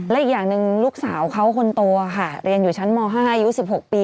และอีกอย่างหนึ่งลูกสาวเขาคนโตค่ะเรียนอยู่ชั้นม๕อายุ๑๖ปี